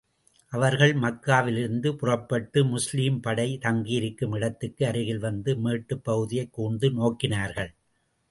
அவர்கள் மக்காவிலிருந்து புறப்பட்டு, முஸ்லிம் படை தங்கியிருக்கும் இடத்துக்கு அருகில் வந்து, மேட்டுப் பகுதியைக் கூர்ந்து நோக்கினார்கள்.